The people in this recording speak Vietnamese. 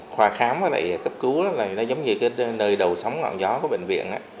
khoa khám và cấp cứu là giống như nơi đầu sóng ngọn gió của bệnh viện